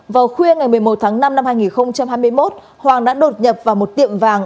vào khuya ngày một mươi một tháng năm năm hai nghìn hai mươi một hoàng đã đột nhập vào một tiệm vàng